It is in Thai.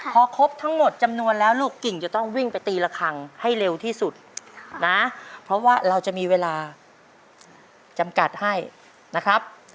พอครบทั้งหมดจำนวนแล้วลูกกิ่งจะต้องวิ่งไปตีละครั้งให้เร็วที่สุดนะเพราะว่าเราจะมีเวลาจำกัดให้นะครับ